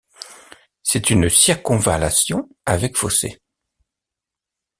C’est une circonvallation avec fossé.